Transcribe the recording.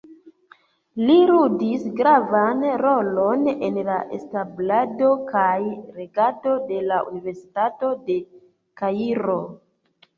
Li ludis gravan rolon en la establado kaj regado de la Universitato de Kairo.